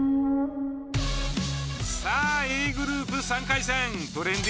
さあＡグループ３回戦トレンディ